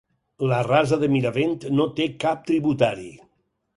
La Rasa de Miravent no té cap tributari.